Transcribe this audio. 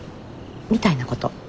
みたいなこと？